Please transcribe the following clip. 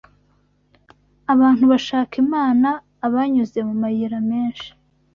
abantu bashaka Iman abanyuze mu mayira menshi